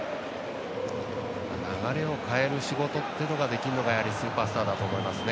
流れを変える仕事ができるっていうのがやはりスーパースターだと思いますね。